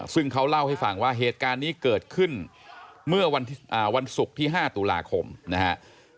ซึ่งเขาเล่าให้ฟังว่าเหตุการณ์นี้เกิดขึ้นเมื่อวันศุกร์ที่๕ตุลาคมนะครับ